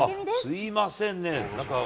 すみませんね。